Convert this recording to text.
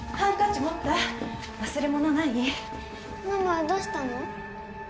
ママどうしたの？